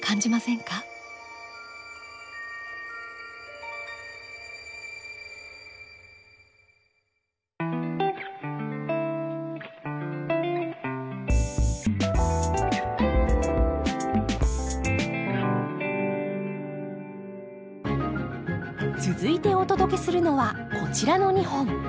だから王子は続いてお届けするのはこちらの２本。